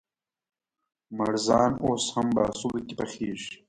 مړزان اوس هم بهسودو کې پخېږي؟